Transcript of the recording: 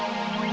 ya mbak isah